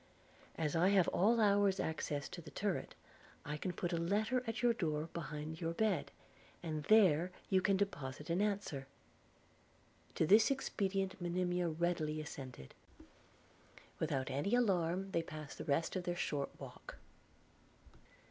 As I have at all hours access to the turret, I can put a letter at your door behind your bed; and there you can deposit an answer.' To this expedient Monimia readily assented. Without any alarm they passed the rest of their short walk.